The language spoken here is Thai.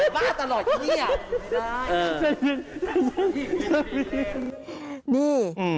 พี่บอกว่าบ้านทุกคนในที่นี่